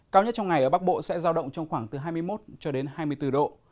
cao nhất trong ngày ở bắc bộ sẽ dao động trong khoảng từ hai mươi một hai mươi bốn độ